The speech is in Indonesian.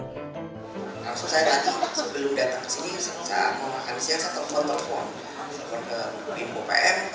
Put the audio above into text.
nah saya tadi sebelum datang ke sini saya mau makan siang saya telpon telpon ke kemenko pmk